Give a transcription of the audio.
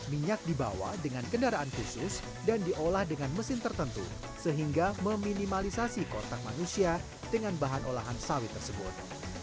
minyak dibawa dengan kendaraan khusus dan diolah dengan mesin tertentu sehingga meminimalisasi kotak manusia dengan bahan olahan sawit tersebut